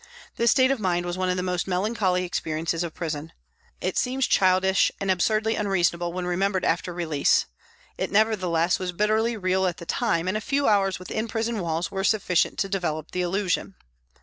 This state of mind was one of the most melancholy experiences of prison. It seems childish and ab surdly unreasonable when remembered after release. It nevertheless was bitterly real at the time, and a few hours within prison walls were sufficient to develop the illusion.